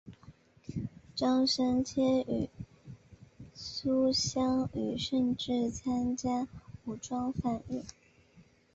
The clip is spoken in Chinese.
张深切与苏芗雨甚至参加武装反日。